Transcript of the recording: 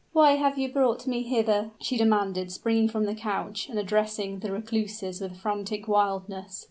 "Why have you brought me hither?" she demanded, springing from the couch, and addressing the recluses with frantic wildness.